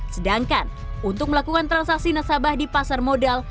sedangkan untuk melakukan transaksi nasabah di pasar modal